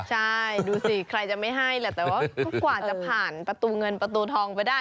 ใช่ดูสิใครจะไม่ให้แหละแต่ว่ากว่าจะผ่านประตูเงินประตูทองไปได้